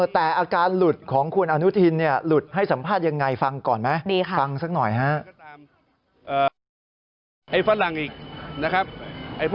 แต่อาการหลุดของคุณอนุทินหลุดให้สัมภาษณ์ยังไง